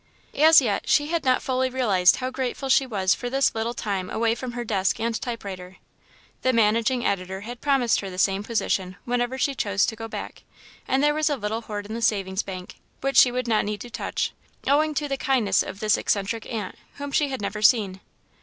As yet, she had not fully realised how grateful she was for this little time away from her desk and typewriter. The managing editor had promised her the same position, whenever she chose to go back, and there was a little hoard in the savings bank, which she would not need to touch, owing to the kindness of this eccentric aunt, whom she had never seen.